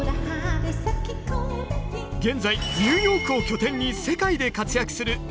現在ニューヨークを拠点に世界で活躍する矢野顕子。